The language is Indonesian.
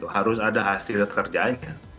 harus ada hasil kerjaannya